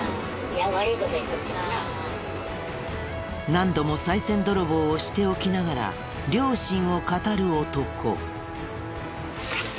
何度もさい銭泥棒をしておきながら良心を語る男。